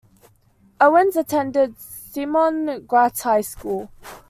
Owens attended Simon Gratz High School.